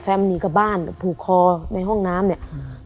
แฟมมันหนีกับบ้านผูกคอในห้องน้ำเนี้ย